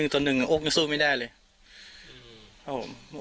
๑ตัวนึงนี่โอ๊คยังสู้ไม่ได้เลย